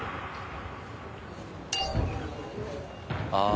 ああ。